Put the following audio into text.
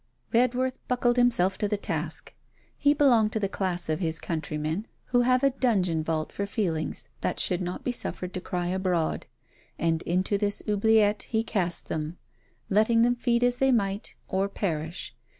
Redworth buckled himself to the task. He belonged to the class of his countrymen who have a dungeon vault for feelings that should not be suffered to cry abroad, and into this oubliette he cast them, letting them feed as they might, or perish.